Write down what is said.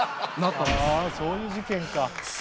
あそういう事件か。